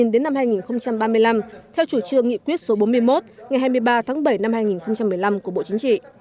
đến năm hai nghìn ba mươi năm theo chủ trương nghị quyết số bốn mươi một ngày hai mươi ba tháng bảy năm hai nghìn một mươi năm của bộ chính trị